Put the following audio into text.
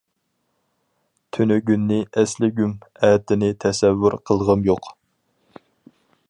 تۈنۈگۈننى ئەسلىگۈم، ئەتىنى تەسەۋۋۇر قىلغۇم يوق.